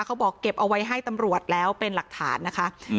เขาบอกเก็บเอาไว้ให้ตำรวจแล้วเป็นหลักฐานนะคะ